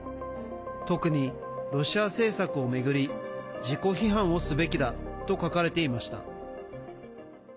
特に、ロシア政策を巡り自己批判をすべきだと書かれていました。